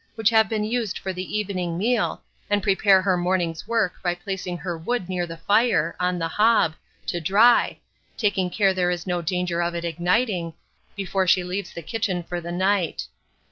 which have been used for the evening meal, and prepare for her morning's work by placing her wood near the fire, on the hob, to dry, taking care there is no danger of it igniting, before she leaves the kitchen for the night.